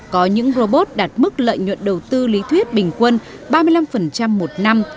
có những robot đạt mức lợi nhuận đầu tư lý thuyết bình quân ba mươi năm một năm